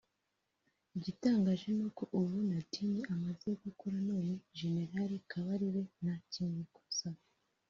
Igitangaje n’uko ubu Nadine amaze gukura none General Kabarebe ntakimwikoza